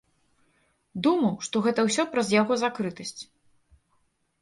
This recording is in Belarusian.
Думаў, што гэта ўсё праз яго закрытасць.